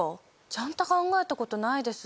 ちゃんと考えたことないです。